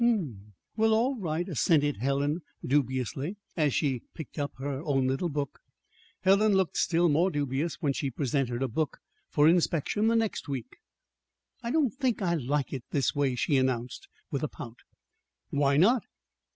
"Hm m; well, all right," assented Helen dubiously, as she picked up her own little book. Helen looked still more dubious when she presented her book for inspection the next week. "I don't think I like it this way," she announced, with a pout. "Why not?"